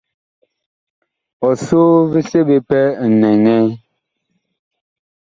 Ɔsoo vi seɓe pɛ nɛŋɛɛ.